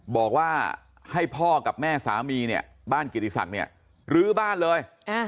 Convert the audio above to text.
บอกว่าให้พ่อกับแม่สามีเนี่ยบ้านกิติศักดิ์เนี่ยรื้อบ้านเลย